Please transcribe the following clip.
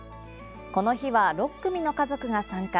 この日は、６組の家族が参加。